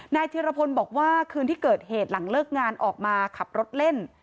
ธิรพลบอกว่าคืนที่เกิดเหตุหลังเลิกงานออกมาขับรถเล่น